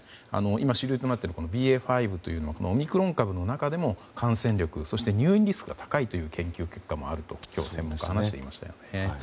今、主流となっているＢＡ．５というのはオミクロン株の中でも感染力、入院リスクが高いという研究結果があると今日、専門家の方が話していましたよね。